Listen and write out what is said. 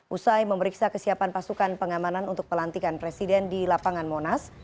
usai memeriksa kesiapan pasukan pengamanan untuk pelantikan presiden di lapangan monas